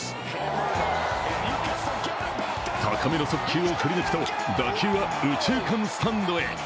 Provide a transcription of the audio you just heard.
高めの速球を振り抜くと打球は右中間スタンドへ。